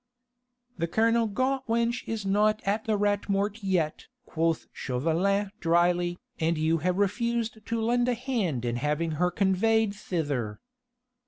"The Kernogan wench is not at the Rat Mort yet," quoth Chauvelin drily, "and you have refused to lend a hand in having her conveyed thither."